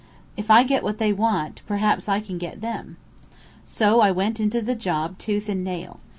If I get what they want, perhaps I can get them.' So I went into the job tooth and nail.